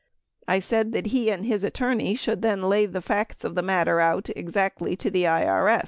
I said that he and his attorney should then lay out the facts of the matter exactly out to the IRS.